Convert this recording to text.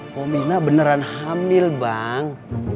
komina beneran hamil bang